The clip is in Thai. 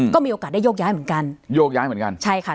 ก็มีโอกาสได้โยกย้ายเหมือนกันโยกย้ายเหมือนกันใช่ค่ะ